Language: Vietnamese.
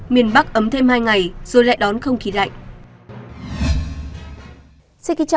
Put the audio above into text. miền bắc ấm thêm hai ngày rồi lại đón không khí lạnh